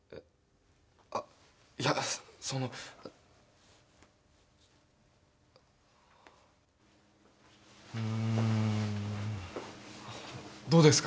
いやそのふんどうですか？